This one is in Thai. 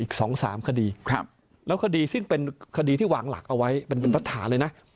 อีก๒๓คดีแล้วคดีซึ่งเป็นคดีที่วางหลักเอาไว้เป็นรัฐฐานเลยนะ